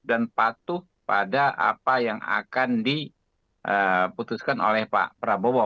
dan patuh pada apa yang akan diputuskan oleh pak prabowo